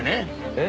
え？